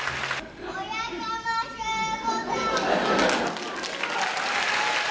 おやかましゅうございます。